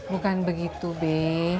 bukan begitu be